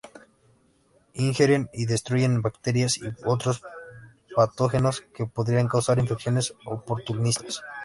Ingieren y destruyen bacterias y otros patógenos que podrían causar infecciones oportunistas.